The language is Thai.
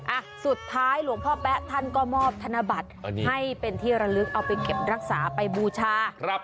อ่ะสุดท้ายหลวงพ่อแป๊ะท่านก็มอบธนบัตรให้เป็นที่ระลึกเอาไปเก็บรักษาไปบูชาครับ